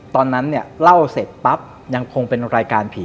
ตอนนั้นเนี่ยเล่าเสร็จปั๊บยังคงเป็นรายการผี